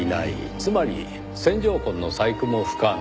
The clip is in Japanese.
つまり線条痕の細工も不可能。